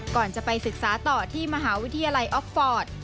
ก่อนจะไปศึกษาต่อที่มหาวิทยาลัยออกฟอร์ต